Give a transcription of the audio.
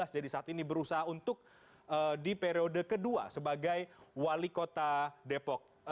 jadi saat ini berusaha untuk di periode kedua sebagai wali kota depok